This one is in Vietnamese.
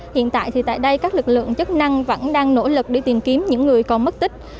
hiện tại thì tại đây các lực lượng chức năng vẫn đang nỗ lực đi tìm kiếm những người còn mất tích